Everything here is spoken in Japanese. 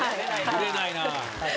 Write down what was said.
ブレないな。